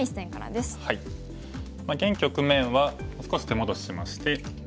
現局面は少し手戻ししまして。